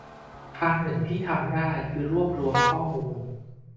ทางหนึ่งที่ทำได้ คือรวบรวมข้อมูล